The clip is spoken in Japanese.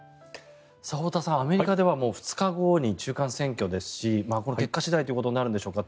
太田さん、アメリカでは２日後に中間選挙ですしこの結果次第ということになるんでしょうか。